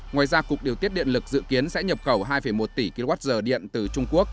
ngoài ra cục điều tiết điện lực dự kiến sẽ nhập khẩu hai một tỷ kwh điện từ trung quốc